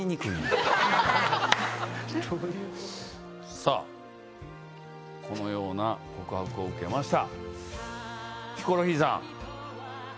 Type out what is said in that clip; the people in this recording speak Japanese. さぁこのような告白を受けました。